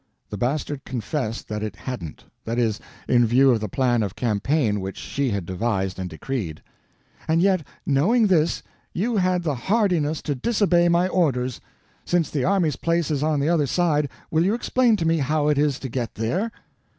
The Bastard confessed that it hadn't—that is, in view of the plan of campaign which she had devised and decreed. "And yet, knowing this, you had the hardihood to disobey my orders. Since the army's place is on the other side, will you explain to me how it is to get there?"